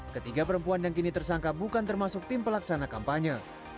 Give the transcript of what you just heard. ketiga perempuan yang kini tersangka bukan termasuk tim pelaksana kampanye